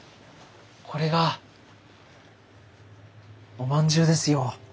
これがおまんじゅうですよ。